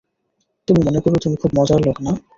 তুমি মনে করো তুমি খুব মজার লোক না?